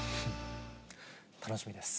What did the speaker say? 楽しみです。